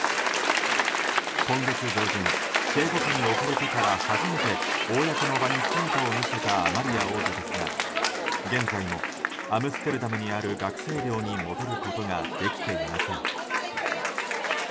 今月上旬警護下に置かれてから初めて公の場に姿を見せたアマリア王女ですが現在もアムステルダムにある学生寮に戻ることができていません。